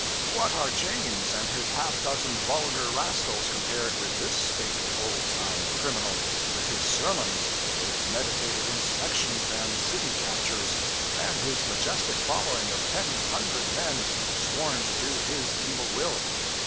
What are James and his half dozen vulgar rascals compared with this stately old time criminal, with his sermons, his meditated insurrections and city captures, and his majestic following of ten hundred men, sworn to do his evil will!